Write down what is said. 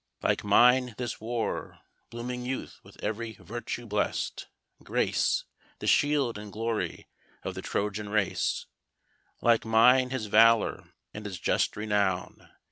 Like mine, this war, blooming youth with every virtue blest, grace _The shield and glory of the Trojan race; Like mine his valour, and his just renown.